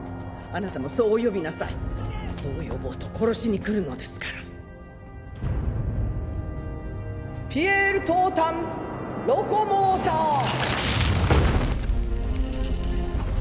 あなたもそうお呼びなさいどう呼ぼうと殺しに来るのですからピエルトータム・ロコモーター！